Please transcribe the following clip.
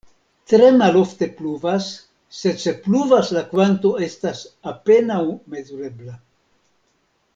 Tre malofte pluvas, sed se pluvas, la kvanto estas apenaŭ mezurebla.